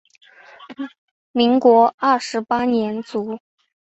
民国二十八年卒。